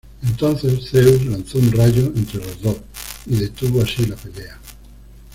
Entonces, Zeus lanzó un rayo entre los dos y detuvo así la pelea.